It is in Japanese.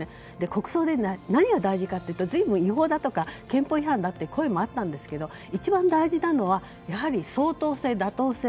国葬で何が大事かというと随分無謀だとか憲法違反だって声もあったんですけど一番大事なのは相当性、妥当性。